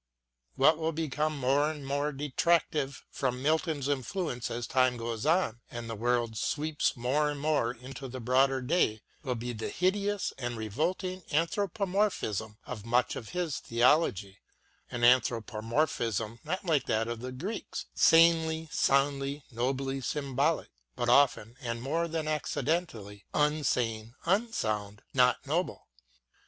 What will become more and more detractive from Milton's influence as time goes on and the world sweeps more and more into the broader day will be the hideous and revolting anthropomorphism of much of his theology — an anthropomorphism not like that of the Greeks, sanely, soundly, nobly symbolic, but ojten and more than accidentally «K sane, unsound, not noble.